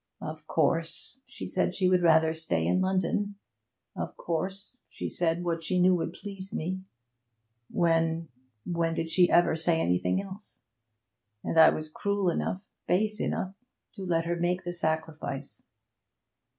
'Of course she said she would rather stay in London! Of course she said what she knew would please me! When when did she ever say anything else! And I was cruel enough base enough to let her make the sacrifice!'